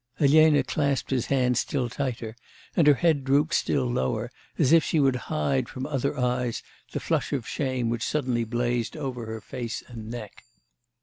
Elena clasped his hand still tighter, and her head drooped still lower, as if she would hide from other eyes the flush of shame which suddenly blazed over her face and neck.